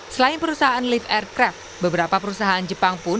selain perusahaan lift aircraft beberapa perusahaan jepang pun